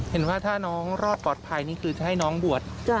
เห็นว่าถ้าน้องรอดปลอดภัยนี่คือจะให้น้องบวช